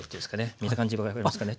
見た感じ分かりますかね。